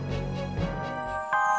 tidak ada apa apa